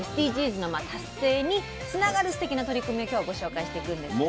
ＳＤＧｓの達成につながるすてきな取り組みを今日はご紹介していくんですけどね。